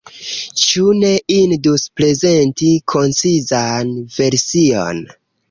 Ĉu ne indus prezenti koncizan version?